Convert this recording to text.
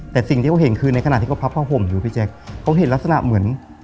แต่สิ่งที่เขาเห็นคือในขณะที่เขาพับผ้าห่มอยู่พี่แจ๊คเขาเห็นลักษณะเหมือน